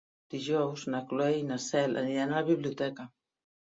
Dijous na Cloè i na Cel aniran a la biblioteca.